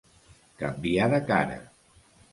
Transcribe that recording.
Canviar de cara.